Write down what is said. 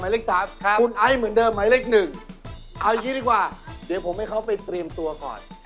เอาอย่างนี้ดีกว่าเดี๋ยวผมให้เขาไปเตรียมตัวก่อน